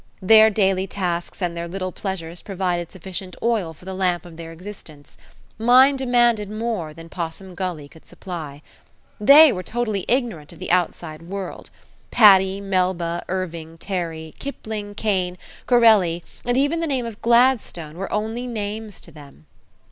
Their daily tasks and their little pleasures provided sufficient oil for the lamp of their existence mine demanded more than Possum Gully could supply. They were totally ignorant of the outside world. Patti, Melba, Irving, Terry, Kipling, Caine, Corelli, and even the name of Gladstone, were only names to them.